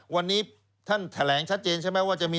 วันนี้ท่านแถลงชัดเจนใช่ไหมว่าจะมี